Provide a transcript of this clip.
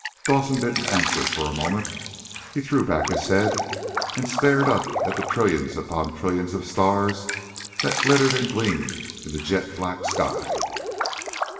Dawson didn't answer for a moment. He threw back his head and stared up at the trillions upon trillions of stars that glittered and gleamed in the jet black sky.